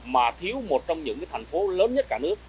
mà thiếu một trong những thành phố lớn nhất cả nước